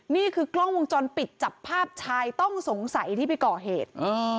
นี่คือกล้องวงจรปิดจับภาพชายต้องสงสัยที่ไปก่อเหตุ